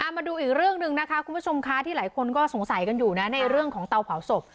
มาดูอีกเรื่องหนึ่งนะคะคุณผู้ชมคะที่หลายคนก็สงสัยกันอยู่นะในเรื่องของเตาเผาศพ